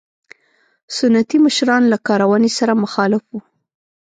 سنتي مشران له کارونې سره مخالف وو.